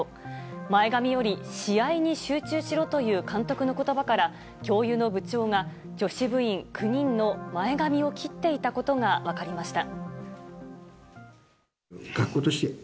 前髪より試合に集中しろという監督の言葉から教諭の部長が女子部員９人の前髪を切っていたことが分かりました。